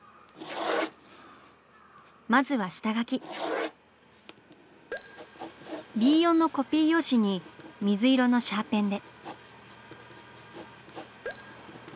まずはＢ４のコピー用紙に水色のシャーペンで。